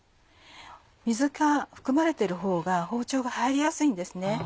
水が含まれてるほうが包丁が入りやすいんですね。